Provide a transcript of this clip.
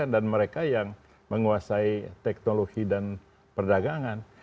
dan mereka yang menguasai teknologi dan perdagangan